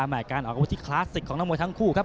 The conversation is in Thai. การออกอาวุธที่คลาสสิกของนักมวยทั้งคู่ครับ